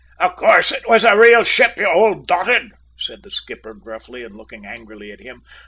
"Of course it was a real ship, you old dotard!" said the skipper gruffly and looking angrily at him.